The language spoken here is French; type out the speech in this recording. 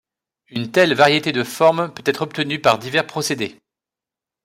Une telle variété de formes peut être obtenue par divers procédés.